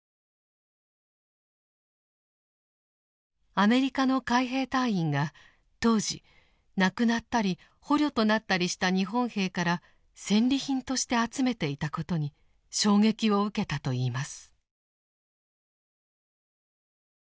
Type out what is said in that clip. アメリカの海兵隊員が当時亡くなったり捕虜となったりした日本兵から戦利品として集めていたことに衝撃を受けたといいます。